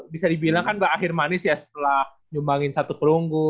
bisa dibilang kan mbak akhir manis ya setelah nyumbangin satu perunggu